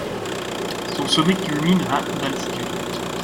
Son sommet culmine à d’altitude.